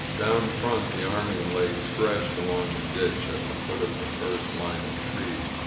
Down front the army lay stretched along the ditch at the foot of the first line of trees.